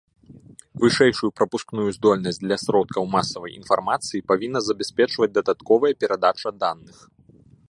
Вышэйшую прапускную здольнасць для сродкаў масавай інфармацыі павінна забяспечваць дадатковая перадача даных.